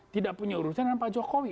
tidak punya urusan dengan pak jokowi